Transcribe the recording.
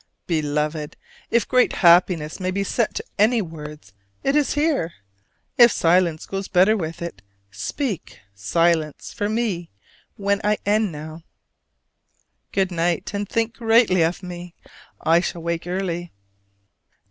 Beloved, if great happiness may be set to any words, it is here! If silence goes better with it, speak, silence, for me when I end now! Good night, and think greatly of me! I shall wake early.